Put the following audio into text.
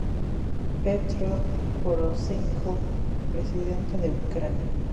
Petró Poroshenko, presidente de Ucrania.